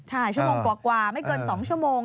ใช่ชั่วโมงกว่าไม่เกิน๒ชั่วโมง